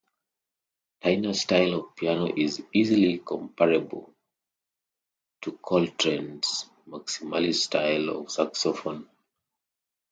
Tyner's style of piano is easily comparable to Coltrane's maximalist style of saxophone.